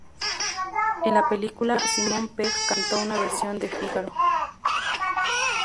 En la película, Simon Pegg cantó una versión de "Figaro".